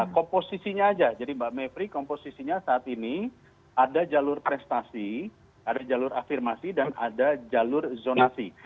komposisinya aja jadi mbak mepri komposisinya saat ini ada jalur prestasi ada jalur afirmasi dan ada jalur zonasi